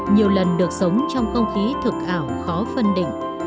nhiều lần được sống trong không khí thực ảo khó phân định